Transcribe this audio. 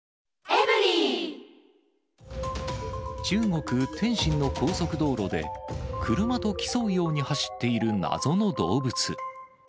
中国・天津の高速道路で、車と競うように走っている謎の動物。